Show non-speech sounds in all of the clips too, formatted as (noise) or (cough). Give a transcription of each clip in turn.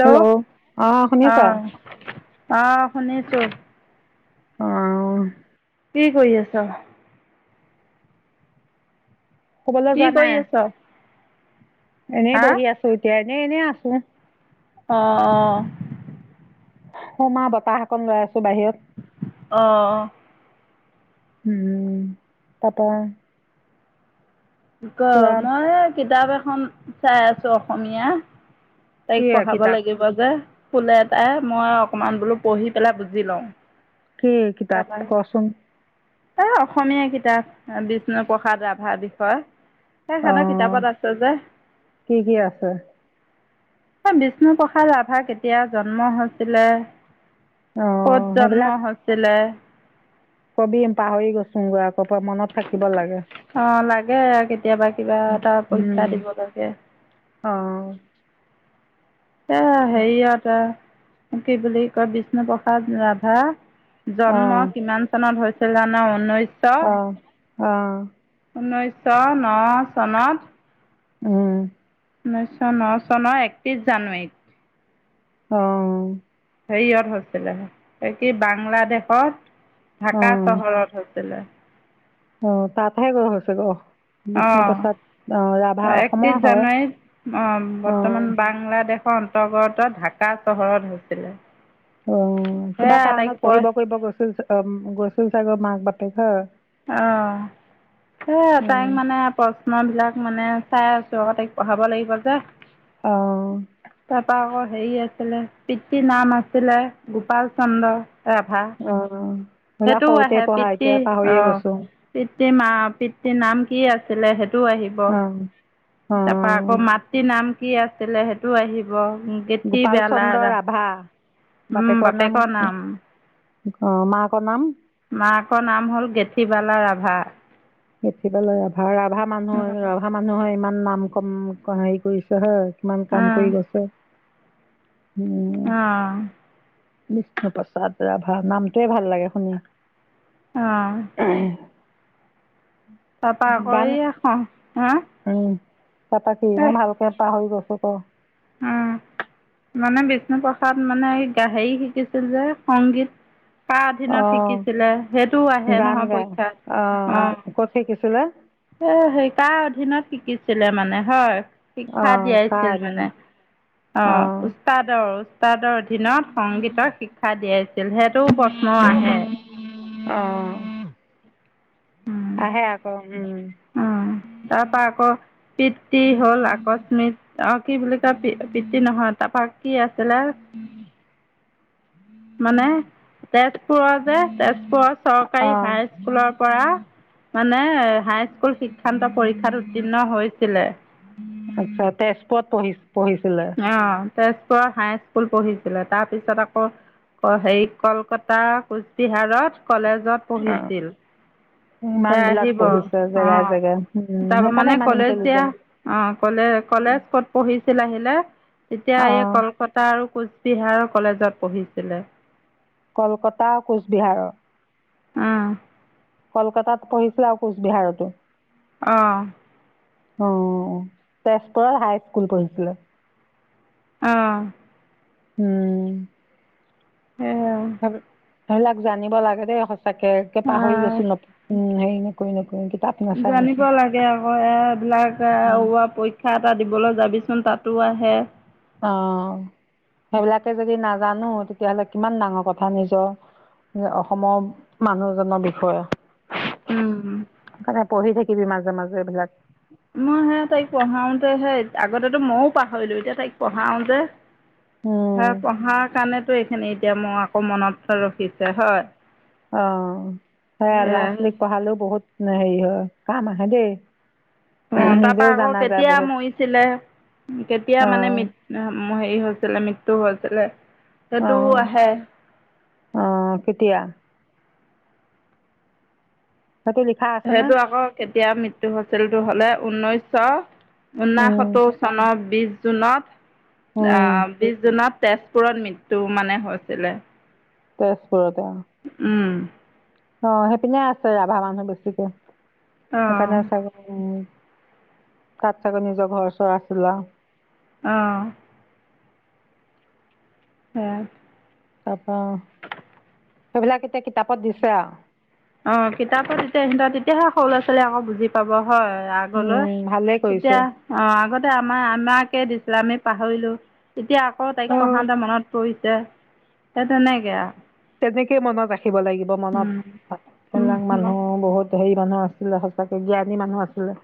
Hello অ' শুনিছা। অ' শুনিছোঁ। অ' কি কৰি আছ। ক'বলৈ কি যোৱা কৰি নাই। আছ এনেই হা বহি আছোঁ‌ এতিয়া। ন এনে আছো অ' অ' মা বাপা শকত গৈ আছ। অহ তাৰপৰা ক কিবা মই কিতাপ এ চাই আছো অসমীয়া তাইক কি পঢ়াব কিতাপ লাগিব যে ফুল এটাই মই অকমান বোলো পঢ়ি পেলাই বুজি লওঁ। কি কিতাপ কচোন ত অসমীয়া কিতাপ বিষ্ণু প্ৰসাদ ৰাভাৰ বিষয়ে সেই অ সেনে কিতাপত আছে ।যে কি কি আছে বিষ্ণু প্ৰসাদ ৰাভা কেতিয়া জন্ম হৈছিলে। অ কত সেইবিলাক জন্ম হৈছিলে। কবি এ পাহৰি গৈছগ অ লাগে আৰু কেতিয়াবা কিবা এটা পৰীক্ষা উম দিব লাগে। অ এ সেয়াটা কি বুলি কয় বিষ্ণু প্ৰসাদ ৰাভা, অ জন্ম কিমান চনত হৈছে? না অন (unintelligible) অ অ ঊনৈছশ ন চনত- উম ঊনৈছশ ন চনৰ একত্ৰিছ জানুৱাৰীত অহ হেৰিয়ত হৈছিলে কি বাংলাদেশত। অ ঢাকা অ চহৰত হৈছিলে। অ তাপা হে গৈ হৈছে গ বিষ্ণু প্ৰসাদ অ ৰাভা অঁ অসমৰ একত্ৰিছ হয় জানুৱাৰীত অ বৰ্তমান বাংলাদেশ অন্তৰ্গত ঢাকা চহৰত হৈছিলে। অ কিবা সেয়া কাৰণত আটাইকৈ পঢ়িব কৰিব গৈছিল গৈছিল চাগৈ মাক বাটে খ অ সেইয়াই তাইক উম মানে নট বিলাক মানে চাই আছো ক তাইক পঢ়াব লাগিব যে অ তাৰপা আকৌ হেই আছিলে পিতৃ নাম আছিলে গোপাল চন্দ্ৰ, ৰাভা অ বলা সেইটোও সৰুতে আহে পঢ়া এতিয়া পাহৰিয়ে গৈছো। পৃ মা পিতৃৰ নাম কি আছিলে? সেই আহিব অ অ তাৰপৰা আকৌ মাতৃ নাম। কি আছিলে? সেইটো আহিব। কেঠি গোপাল বে লা চন্দ্ৰ গা। ৰাভা উম বাপেকৰ নাম। অ মা ক নাম মাকৰ নাম হ'ল গেঠিবালা ৰাভা। গেথি পালৈ ৰাভা ৰাভা মানুহ হয়, অঁ ৰভা মানুহ হয় ইমান নাম কম (unintelligible) হেৰি কৰিছে হয়। কিমান কাম কৰি গৈছে। (unintelligible) অ বিষ্ণু প্ৰসাদ ৰাভা নামটোৱে ভাল লাগে শুনি। অহ। তাৰ পা আকৌ এইয়া, হা? উ তাৰপা কি এই মোৰ ভালকে পাহৰি গৈছোঁ। ক-ক মানে বিষ্ণু প্ৰসাদ মানে হেৰি শিকিছিল যে সংগীত। কাৰ অ অধীনত শিকিছিলে সেইটো আহে গান নহয় গাই পৰীক্ষাত, অ ক'ত শিকিছিলে অহ। এ সেই কাৰ অধীনত শিকিছিলে মানে হয়? অ শিক্ষা কাৰ দিয়াইছিল মানে। অধীনত অ অহ উস্তাদ আৰু। তাদৰ অধীনত সংগীতৰ শিক্ষা দিয়াইছিল সেইটো প্ৰশ্ন আহে। অহ। উম আহে আকৌ উম। তাৰপা আকৌ পিতৃ হ'ল আকস্মিক, অহ কি বুলি কয়? পিতৃ নহয়, তাৰাপৰা কি আছিলে? মানে তেজপুৰৰ যে, তেজপুৰৰ চৰকাৰী অ হাইস্কুলৰ পৰা মানে হাই স্কুল শিক্ষান্ত পৰীক্ষাত উত্তীৰ্ণ হৈছিলে। আচ্ছা, তেজপুৰত পঢ়িছে। পঢ়িছিলে। অঁ তেজপুৰৰ হাইস্কুল পঢ়িছিলে। তাৰপিছত আকৌ হেৰি কলকাতা কোচবিহাৰত কলেজত অ পঢ়িছিল। ইমান সেই বিলাক আহিব পঢ়িছে জেগাই জেগাই অহ। উম তাৰ সেইকাৰণে মানে ইমান কলেজ দিয়া ইণ্টেলিজেন্ট অঁ কলে-কলেজ ক'ত পঢ়িছিল আহি হেল্ল'? এতিয়া অ এই কলকাতা আৰু কোচ বিহাৰৰ কলেজত পঢ়িছিলে। কলকাতা কোচবিহাৰৰ উম। কলকাতাত পঢ়িছিল আৰু কোচবিহাৰতো অঁহ। অঁ তেজপুৰত হাই স্কুল পঢ়িছিলে। অঁ। উম। সেয়া সেই- সেইবিলাক জানিব লাগে দেই তাকে পাহৰি আহ গৈছো ন উম সেই নকই নকই কেতিয়াও জানিব লাগে আকৌ এইবিলাক উম হোৱা পৰীক্ষা এটা দিবলৈ যাবি তাতো আহে অঁ সেইবিলাকে যদি নাজানো তেতিয়া হ'লে কিমান ডাঙৰ কথা নিজৰ অসমৰ মানুহজনৰ বিষয়ে উম। পঢ়িবি মাজে মাজে এইবিলাক মই হে তাইক পঢ়াওতে সেই আগতেতো মইয়ে পাহৰিলো এতিয়া তাইক পঢ়াওতে হয় উম পঢ়াৰ কাৰণে টো এইখিনি এতিয়া মই আকৌ মনত ৰাখিছে হয় অঁ সেয়া ল'ৰা ছোৱালীক পঢ়ালেও বহুত হেৰি হয়। কাম আহে দেই। উম তাৰ নিজেও পৰা আকৌ জানা যায় কেতিয়া বহুত মৰিছিলে কেতিয়া অ মানে মি হেৰি হৈছিলে মৃত্যু হৈছিলে সেইটো অহ আহে অহ কেতিয়া? সেইটো লিখা আছে নে? সেইটো আকৌ কেতিয়া মৃত্যু হৈছিল? সেইটো হ'লে ঊনৈছশ উম, ঊনাসত্তৰ চনত বিছ জুনত। উম, আহ বিশ জুনত। তেজপুৰত মৃত্যু মানে হৈছিলে। (unintelligible) উম (unintelligible) অ সেইপিনে আছে ৰাভা মানুহ বেছিকে। অহ (unintelligible) তাত চাগৈ নিজৰ ঘৰ চৰ আছিলে আউ। অহ হম তাৰপা সেইবিলাক এতিয়া কিতাপত দিছে আৰু অ কিতাপত তেতিয়া তেতিয়াহে সৰু লৰা ছোৱালীয়ে আকৌ বুজি পাব। হয় আগলৈ উম, ভালেই কৰিছে। তেতিয়া অ আগতে আমাৰ আমাকে দিছিল আমি পাহৰিলোঁ। এতিয়া আকৌ তাইক অ', পঢ়াতে মনত পৰিছ। তে হে তেনেকে আ। তেনেকে মনত ৰাখ। ৰাখিব লাগিব মনত এইবিলাক উম উম মানুহ বহুত হেৰি মানুহ আছিলে সঁচাকে জ্ঞানী মানুহ আছিলে।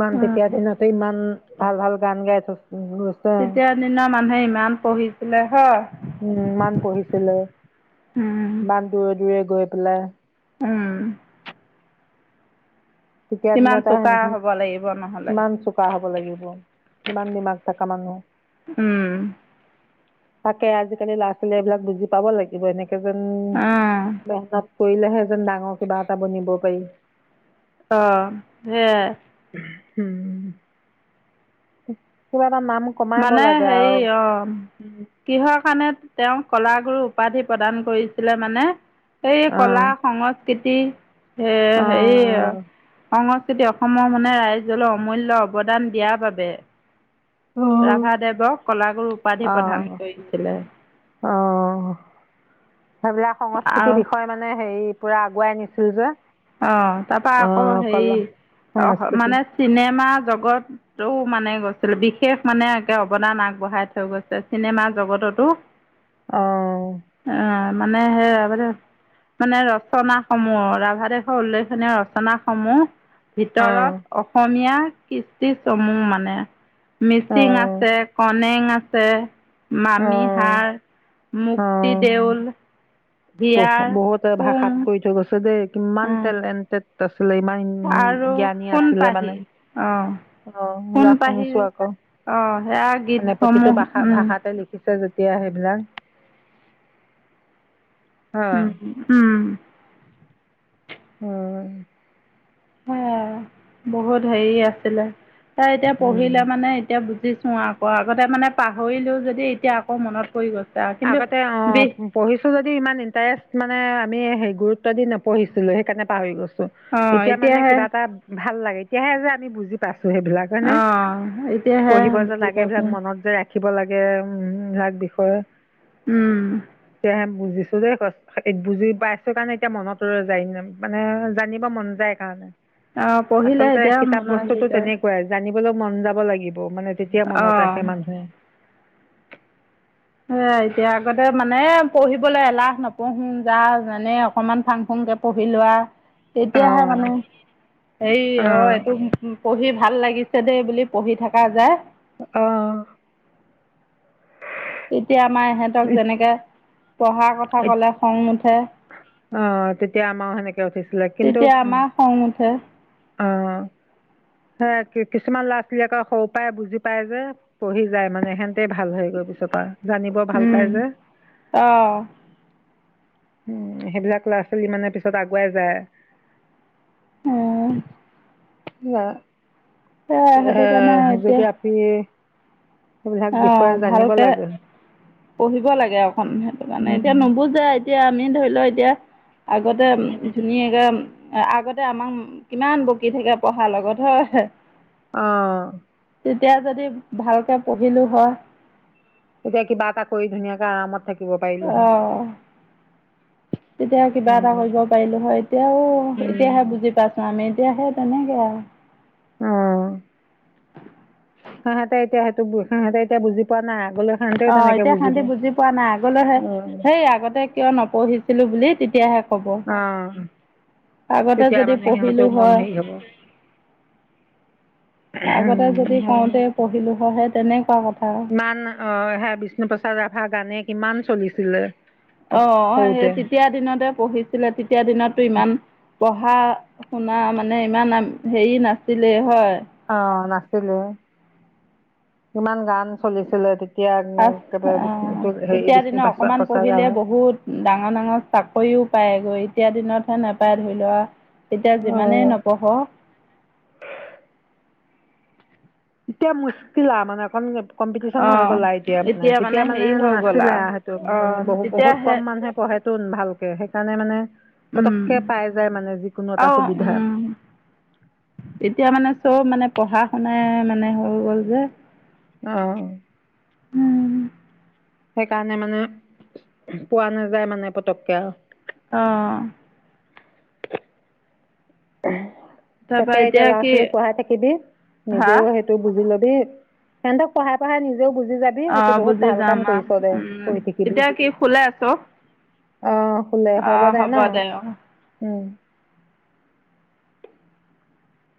ইমান উম তেতিয়া দিনতেই ইমান ভাল ভাল গান গাই থৈছ উম গৈছে তেতিয়াৰ দিনৰ মানুহে ইমান পঢ়িছিলে হয়। উম ইমান পঢ়িছিলে উম, ইমান দূৰে দূৰে গৈ পেলাই। উম তেতিয়াৰ কিমান দিনত আৰু চোকা সেইখিনি হ'ব লাগিব নহ'লে। কিমান চোকা হ'ব লাগিব কিমান দিমাগ থকা মানুহ। উম, তাকে আজিকালি ল'ৰা ছোৱালী এইবিলাক বুজি পাব লাগিব এনেকে অ', (unintelligible) কৰিলেহে এ যেন ডাঙৰ কিবা এটা বনিব পাৰি। আহ সেয়াই উম কিবাত। মানে সেই অ কিহৰ কাণেত তেওঁ কলাগুৰু উপাধি প্ৰদান কৰিছিলে মানে এই অঁ কলা সংস্ক কেতি সে হেৰি অঁ সংস্ক তেতিয়া মানে অসমৰ মানে ৰাইজলৈ অমূল্য অৱদান দিয়াৰ বাবে ৰাধাদেৱক কলাগুৰু উপাধি প্ৰদান অঁ কৰিছিলে। অঁ অঁ সেইবিলাক সংস্কৃতিৰ আৰু বিষয়ে মানে হেৰিত পুৰা আগুৱাই নিছিল যে অ তাৰপা আকৌ অঁ হেৰি কলা অ সংস্কৃতি মানে চিনেমা জগ- গতটো মানে গৈছিল বিশেষ মানে একে অৱদান আগবঢ়াই থৈ গৈছে চিনেমা জগততো। অঁ অ মানে সেই ৰাভাৰে মানে ৰচনা সমূহ ৰাভা দেৱ উল্লেখেনীয় ৰচনাসমূহ অঁ ভিতৰত অসমীয়া কিষ্টি চমু মানে মিচিং অঁ আছে কন মেং আছে মামি অঁ হাৰ অঁ মুক্তিদেউল বহু বহুতে ভাষাত কৈ থৈ গৈছে দেই কিমান তেল এ তছ আছিলে ইমান আৰু জ্ঞানী সোণ আছিলে পাহি মানে অ অ সোণ মিলা পাহি শুনিছো আকৌ অ সেয়া মানে প্ৰতিটো গীতসমূহ ভাষা উম ভাষাতে লিখি ছে যেতিয়া সেইবিলাক হ উম উম উম হয় আৰু বহুত হেৰি আছিলে তাৰ এতিয়া উম পঢ়িলে মানে এতিয়া বুজিছো হও আকৌ আগতে মানে পাহৰিলোও যদি এতিয়া আকৌ মনত পৰি গৈছে আৰু কিন্তু আগতে অ বি পঢ়িছো যদিও ইমান ইণ্টাৰেষ্ট মানে আমি সেই গুৰুত্ব দি নপঢ়ছিলো সেইকাৰণে পাহৰি গৈছো অ এতিয়া মানে এতিয়াহে কিবা এটা ভাল লাগে এতিয়া হে যে আমি বুজি পাইছো সেইবিলাক হয়নে আহ এতিয়াহে পঢ়িব যে বুজি লাগে পাইছো এইবিলাক মনত যে ৰাখিব লাগে উম ইয়াৰ বিষয়ে উম বুজিছো দেই বুজি পাইছো কাৰণে এতিয়া মনত ৰৈ যায় মানে জানিব মন যায় সেইকাৰণে। অ পঢ়িলে এতিয়া মনত আহি যায়। পঢ়িবলৈ মন যাব লাগিব। মানে তেতিয়া মনত ৰাখে অ মানুহে। সে এতিয়া আগতে মানে পঢ়িবলৈ এলাহ নপঢ়োন যা যেনে অকমান ফাং ফুংকে পঢ়িলো আহ তেতিয়াহে অঁ মানে হে অ অঁ এইটো পঢ়ি ভাল লাগিছে দেই বুলি পঢ়ি থকা যায়। অ তেতিয়া আমাৰ ইহঁতক যেনেকে পঢ়াৰ কথা ক'লে খং নুঠে অ তেতিয়া আমাৰ সেনেকে তেতিয়া আমাৰ খং উঠে অ কিছুমান ল'ৰা ছোৱালী আকৌ সৰু পৰাই বুজি পায় যে পঢ়ি যায় মানে সেতে ভাল হয় গৈ পিছত। জানিব ভাল পাই যে অঁ উম সেইবিলাক ল'ৰা ছোৱালী মানে পিছত আগুৱাই যায়। ন (unintelligible) হ সেয়াই সেইটো কাৰণে সেই এতিয়া যেকদি আপনি (inaudible) (unintelligible) সেইবিলাক অঁ বিষয়ে জানিব ভালকৈ লাগে। পঢ়িব লাগে আৰু সেইটো কাৰণে এতিয়া উম। নুবুজে এতিয়া আমি ধৰি লও এতিয়া। আগতে ধুনীয়াকৈ আগতে আমাক কিমান বকি থাকে পঢ়াৰ লগত হয়। অ তেতিয়া যদি ভালকৈ পঢ়িলোঁ হয়। এতিয়া কিবা এটা কৰি ধুনীয়াকে আৰামত থাকি অ তেতিয়া কিবা এটা উম, কৰিব পাৰিলো হয় এতিয়াও এতিয়াহে বুজি পাইছো আমি এতিয়া সে তেনেকে আৰু অহ সিহঁতে এতিয়া বুজি পোৱা নাই। আগলৈ সিহঁতেও অ তেনেকে এতিয়া বুজিব। সতি বুজি পোৱা নাই আগলৈহে অ', সেই আগতে কিয় নপঢ়িছিলো বুলি এ (unintelligible) অ আগতে যদি পঢ়িলো হয় হেৰি হ'ব। আগতে যদি কওঁতে পঢ়িলো হয়। তনেকা কথা ইমান অ হে বিষ্ণু প্ৰসাদ ৰাভা গানে কিমান চলিছিলে অ সেই সৰুতে। তেতিয়া দিনতে পঢ়িছিলে তেতিয়া দিনতো ইমান পঢ়া শুনা মানে ইমান হেৰি নাছিলে হয়। অ নাছিলে আছিলে কিমান গান চলিছিলে তেতিয়া পচ একেবাৰে অ বিষ্ণু হেৰি তেতিয়া বিষ্ণু দিনে অকমান প্ৰসাদ পঢ়িলে ৰাভা বহুত ডাঙৰ ডাঙৰ চাকৰিও পায় গৈ এতিয়া দিনতহে নোপায় ধৰি লোৱা। এতিয়া অঁ যিমানেই নপঢ় এতিয়া মুচকিল মানে অকণ কম্পিটিচন হৈ অ' গ'লা এতিয়া মানে তেতিয়া মানে হেৰি হৈ গ'ল নাছিলে আৰু সেইটো অ' বহু বহুত তেতিয়াহে কম মানুহে পঢ়ে। ন ভালকে সেইকাৰণে মানে পটককৈ পাই যায় মানে যিকোনো অ এটা উ সুবিধা তেতিয়া মানে চব মানে পঢ়া শুন মানে হৈ গ'ল যে আহ উম সেইকাৰণে মানে পোৱা নাযায় মানে পতককে আৰু অ উম তাৰপৰা তাকে এতিয়া ল'ৰা কি ছোৱালীক পঢ়াই থাকিবি হা নিজেও সেইটো বুজি লবি স ত পঢ়া পঢ়া নিজে আহ বুজি যাম আ দে উম পঢ়ি থাকিবি এতিয়া কি শুলে আছ অ শুলে হব দে ন উম